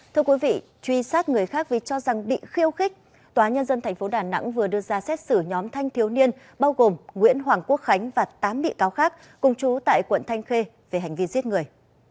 thưa quý vị truy sát người khác vì cho rằng bị khiêu khích tòa nhân dân tp đà nẵng vừa đưa ra xét xử nhóm thanh thiếu niên bao gồm nguyễn hoàng quốc khánh và tám bị cáo khác cùng chú tại quận thanh khê về hành vi giết người